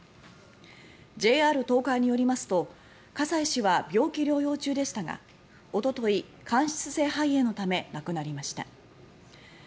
ＪＲ東海によりますと葛西氏は病気療養中でしたがおととい、間質性肺炎のため亡くなりました。